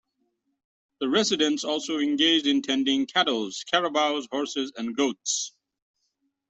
The residents also engaged in tending cattles, carabaos, horses and goats.